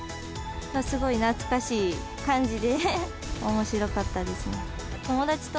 すごい懐かしい感じでおもしろかったですね。